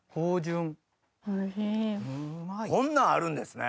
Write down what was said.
こんなんあるんですね。